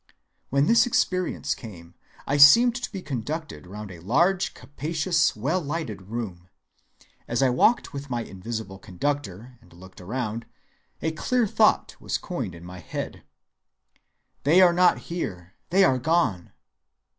When this experience came, I seemed to be conducted around a large, capacious, well‐lighted room. As I walked with my invisible conductor and looked around, a clear thought was coined in my mind, 'They are not here, they are gone.